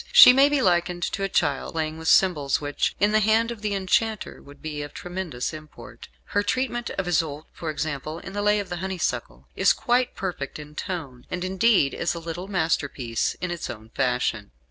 She may be likened to a child playing with symbols which, in the hand of the enchanter, would be of tremendous import. Her treatment of Isoude, for example, in "The Lay of the Honeysuckle," is quite perfect in tone, and, indeed, is a little masterpiece in its own fashion.